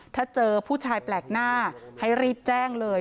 ถ้าเจอผู้ชายแปลกหน้าให้รีบแจ้งเลย